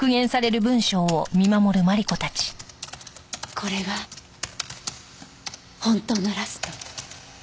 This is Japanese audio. これが本当のラスト。